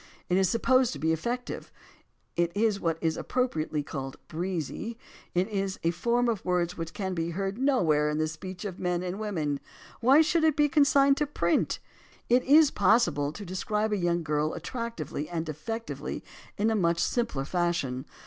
It is supposed to be effective, it is what is appropriately called "breezy," it is a form of words which can be heard nowhere in the speech of men and women. AVhy should it be consigned to print? It is possible to describe a young girl attractively and effectively in much simpler fashion.